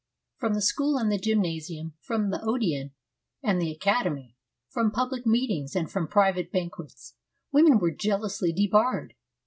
From the school and the gymnasium, from the Odeon and the Academy, from public meetings and from private banquets, women were jealously debarred.